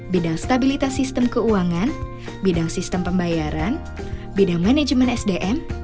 bidang stabilitas sistem keuangan bidang sistem pembayaran bidang manajemen sdm